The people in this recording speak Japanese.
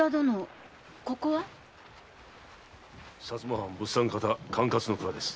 藩物産方管轄の蔵です。